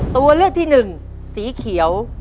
ตัวเลือกที่หนึ่งสีเขียว